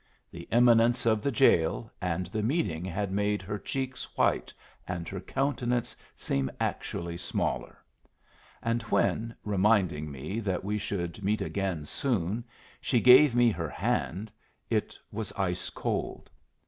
The imminence of the jail and the meeting had made her cheeks white and her countenance seem actually smaller; and when, reminding me that we should meet again soon, she gave me her hand, it was ice cold.